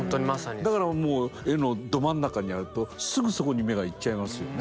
だからもう絵のど真ん中にあるとすぐそこに目がいっちゃいますよね。